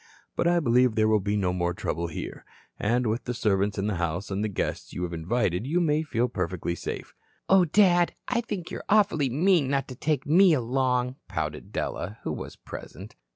But I believe there will be no more trouble here. And with the servants in the house and the guests you have invited, you may feel perfectly safe." "Oh, Dad, I think you're awfully mean not to take me along," pouted Della, who was present.